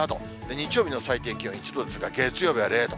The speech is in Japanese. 日曜日の最低気温１度ですが、月曜は０度。